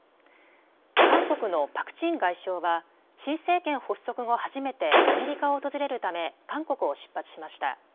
韓国のパク・チン外相は新政権発足後、初めてアメリカを訪れるため韓国を出発しました。